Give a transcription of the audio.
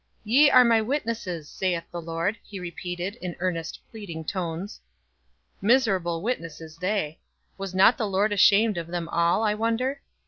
"Ye are my witnesses, saith the Lord," he repeated, in earnest, pleading tones. Miserable witnesses they! Was not the Lord ashamed of them all, I wonder?